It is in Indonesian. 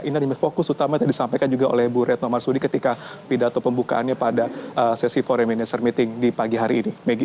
ini ada fokus utama yang disampaikan juga oleh bu retno marsudi ketika pidato pembukaannya pada sesi forei minister meeting di pagi hari ini